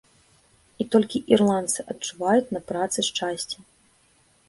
І толькі ірландцы адчуваюць на працы шчасце.